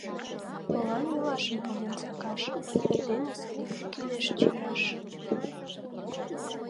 Молан йолашым поген сакаш, эрдене садикте кӱлеш чияш?